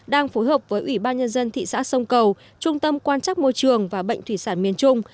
đang phối hợp với ủy ban nhân dân thị xã sông cầu trung tâm quan chắc môi trường và bệnh thủy sản miền trung